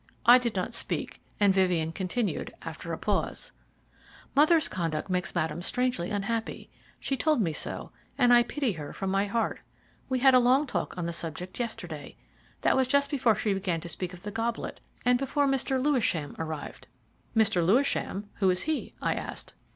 I did not speak, and Vivien continued, after a pause: "Mother's conduct makes Madame strangely unhappy. She told me so, and I pity her from my heart. We had a long talk on the subject yesterday. That was just before she began to speak of the goblet, and before Mr. Lewisham arrived." "Mr. Lewisham who is he?" I asked.